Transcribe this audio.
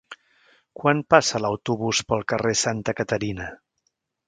Quan passa l'autobús pel carrer Santa Caterina?